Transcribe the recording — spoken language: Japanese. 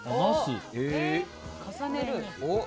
重ねる。